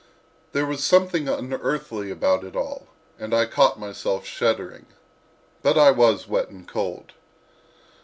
There was something unearthly about it all, and I caught myself shuddering. But I was wet and cold.